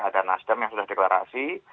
ada nasdem yang sudah deklarasi